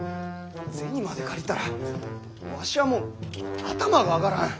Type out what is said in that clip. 銭まで借りたらわしはもう頭が上がらん。